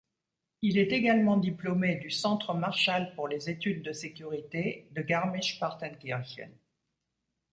Il est également diplômé du Centre Marshall pour les études de sécurité de Garmisch-Partenkirchen.